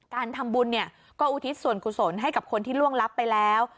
การทำบุญเนี่ยก็อุทิศส่วนกุศลให้กับคนที่ล่วงลับไปแล้ว